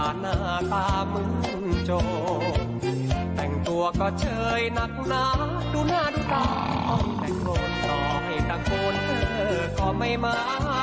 จงแต่งตัวก็เชยหนักหนาดูหน้าดูตาแต่คนต่อให้ตะโกนเธอก็ไม่มา